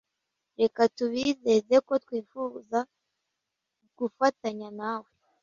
Reka tubizeze ko twifuza gufatanya nawe